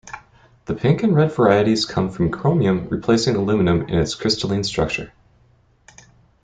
The pink and red varieties come from chromium replacing aluminum in its crystalline structure.